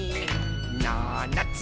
「ななつ